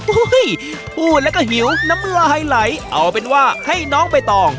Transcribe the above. พูดแล้วก็หิวน้ำลายไหลเอาเป็นว่าให้น้องใบตอง